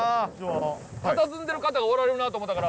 たたずんでる方がおられるなと思ったから。